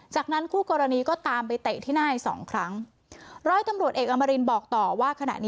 จากนั้นคู่กรณีก็ตามไปเตะที่หน้าให้๒ครั้ง